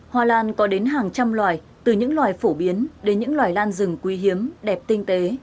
hoa lan có đến hàng trăm loài từ những loài phổ biến đến những loài lan rừng quý hiếm đẹp tinh tế